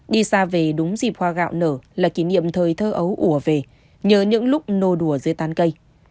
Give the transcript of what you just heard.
đi xa về đúng dịp hoa gạo nở là kỷ niệm thời thơ ấu ủa về nhớ những lúc nô đùa dưới tán cây